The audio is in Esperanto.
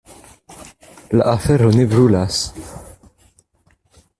La afero ne brulas.